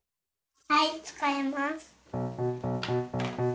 はいつかいます。